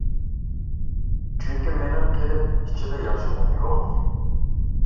چۈنكى مېنىڭ قېلىپ ئىچىدە ياشىغۇم يوق.